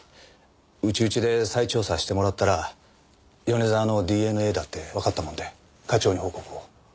内々で再調査してもらったら米沢のＤＮＡだってわかったもんで課長に報告を。